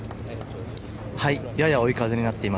はい。